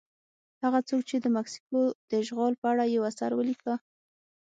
هغه څوک چې د مکسیکو د اشغال په اړه یو اثر ولیکه.